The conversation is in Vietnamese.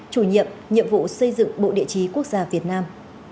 chủ nhiệm nhiệm vụ xây dựng bộ địa chí quốc gia việt nam